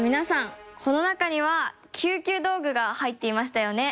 この中には救急道具が入っていましたよね。